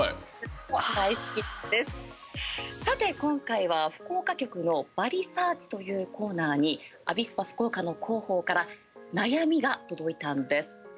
さて今回は福岡局の「バリサーチ」というコーナーにアビスパ福岡の広報から悩みが届いたんです。